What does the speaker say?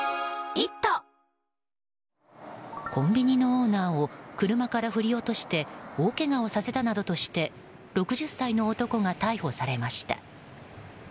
コンビニのオーナーを車から振り落として大けがをさせたなどとして６０歳の男が逮捕されました。